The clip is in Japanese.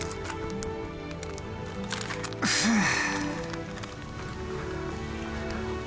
ふう。